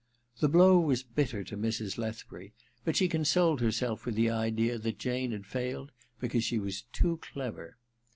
The blow was bitter to Mrs. Lethbury ; but she consoled herself with the idea that Jane had failed because she was too clever.